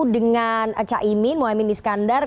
dengan chaimin mohamid niskandar